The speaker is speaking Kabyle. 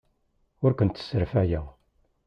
Ur kent-sserfayeɣ.